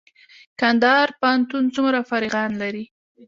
کندهار پوهنتون څومره فارغان لري؟